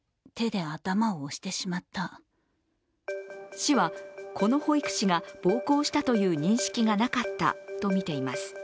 市は、この保育士が暴行したという認識がなかったとみています。